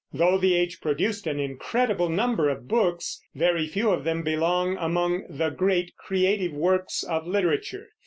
Though the age produced an incredible number of books, very few of them belong among the great creative works of literature.